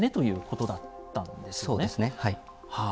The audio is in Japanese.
そうですねはい。